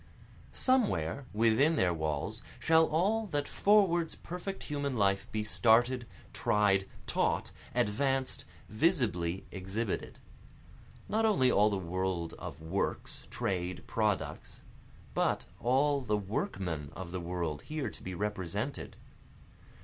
Somewhere within their walls shall all that forwards perfect human life be started, Tried, taught, advanced, visibly exhibited. Not only all the world of works, trade, products, But all the workmen of the world here to be represented.